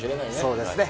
そうですね。